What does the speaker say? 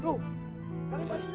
tuh kami baru hilang